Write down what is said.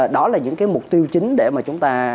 đó là những mục tiêu chính